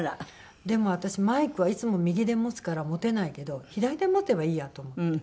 でも私マイクはいつも右で持つから持てないけど左で持てばいいやと思って。